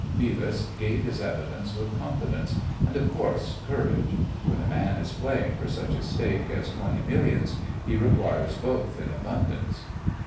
Beavis gave his evidence with confidence and, of course, courage. When a man is playing for such a stake as twenty millions he requires both in abundance.